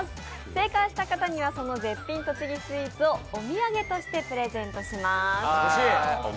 正解した方にはその絶品栃木スイーツをお土産としてプレゼントします。